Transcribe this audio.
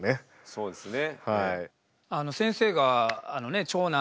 そうですね。